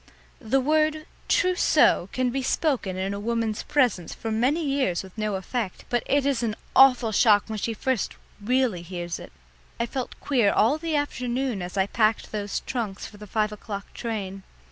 The word "trousseau" can be spoken in a woman's presence for many years with no effect, but it is an awful shock when she first really hears it. I felt queer all the afternoon as I packed those trunks for the five o'clock train.